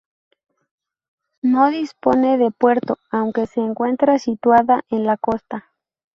No dispone de puerto, aunque se encuentra situada en la costa.